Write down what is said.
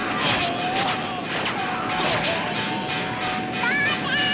お父ちゃん！